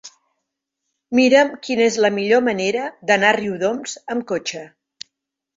Mira'm quina és la millor manera d'anar a Riudoms amb cotxe.